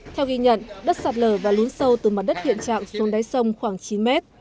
theo ghi nhận đất sạt lở và lún sâu từ mặt đất hiện trạng xuống đáy sông khoảng chín mét